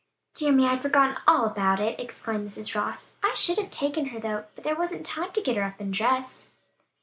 "Dear me, I'd forgotten all about it!" exclaimed Mrs. Ross. "I should have taken her though, but there wasn't time to get her up and dressed."